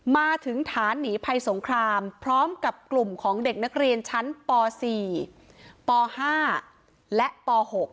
มาถึงฐานหนีภัยสงครามพร้อมกับกลุ่มของเด็กนักเรียนชั้นป๔ป๕และป๖